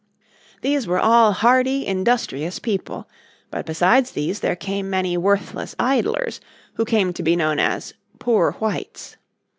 These were all hardy industrious people. But besides these there came many worthless idlers who came to be known as "poor whites."